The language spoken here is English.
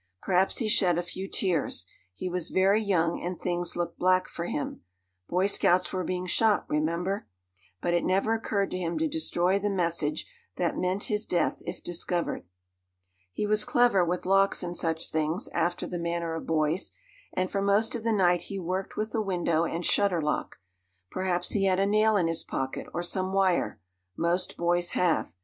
Perhaps he shed a few tears. He was very young, and things looked black for him. Boy scouts were being shot, remember! But it never occurred to him to destroy the message that meant his death if discovered. He was clever with locks and such things, after the manner of boys, and for most of the night he worked with the window and shutter lock. Perhaps he had a nail in his pocket, or some wire. Most boys have.